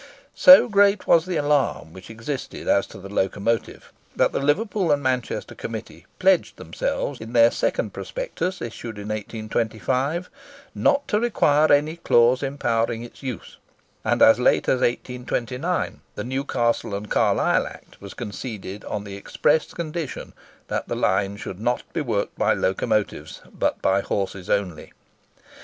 So great was the alarm which existed as to the locomotive, that the Liverpool and Manchester Committee pledged themselves in their second prospectus, issued in 1825, "not to require any clause empowering its use;" and as late as 1829, the Newcastle and Carlisle Act was conceded on the express condition that the line should not be worked by locomotives, but by horses only.